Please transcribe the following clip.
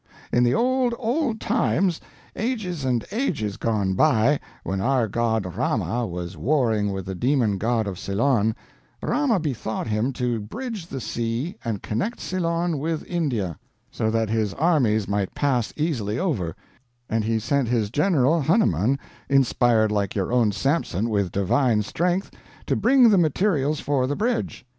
In the old, old times, ages and ages gone by, when our god Rama was warring with the demon god of Ceylon, Rama bethought him to bridge the sea and connect Ceylon with India, so that his armies might pass easily over; and he sent his general, Hanuman, inspired like your own Samson with divine strength, to bring the materials for the bridge.